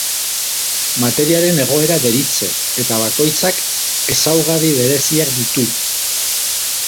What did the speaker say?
Materiaren egoera deritze, eta bakoitzak ezaugarri bereziak ditu.